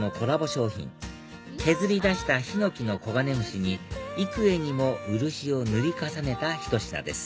商品削り出したヒノキのコガネムシに幾重にも漆を塗り重ねたひと品です